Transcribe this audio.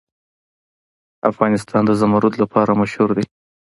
افغانستان د زمرد لپاره مشهور دی.